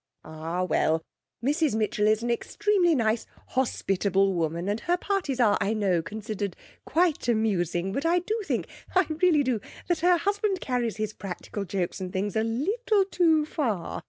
'Ah, well, Mrs Mitchell is an extremely nice, hospitable woman, and her parties are, I know, considered quite amusing, but I do think I really do that her husband carries his practical jokes and things a little too far.